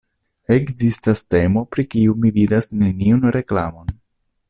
Ekzistas temo pri kiu mi vidas neniun reklamon: